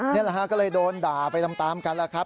นี่แหละฮะก็เลยโดนด่าไปตามกันแล้วครับ